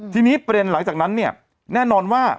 ทีนี้ประเด็นหลังจากนั้นเนี่ยแน่นอนว่า